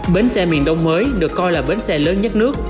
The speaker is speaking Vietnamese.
bến xe miền đông mới được coi là bến xe lớn nhất nước